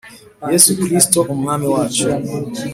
Yesu kristoe umwami wacu